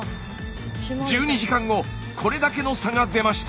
１２時間後これだけの差が出ました。